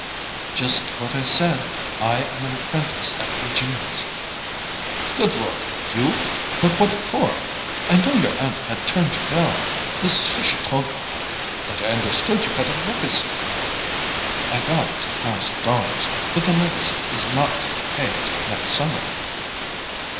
"Just what I said. I am an apprentice at Regina's." "Good Lord—YOU? But what for? I knew your aunt had turned you down: Mrs. Fisher told me about it. But I understood you got a legacy from her——" "I got ten thousand dollars; but the legacy is not to be paid till next summer."